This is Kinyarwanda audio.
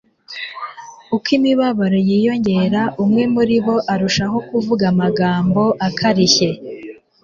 Uko imibabaro yiyongera, umwe muri bo arushaho kuvuga amagambo akarishye